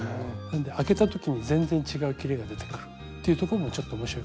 開けた時に全然違うきれが出てくるっていうところもちょっと面白いかな。